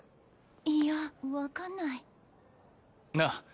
いや分かんないなあ